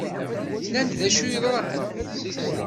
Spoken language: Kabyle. Nnan-d acu yeḍran?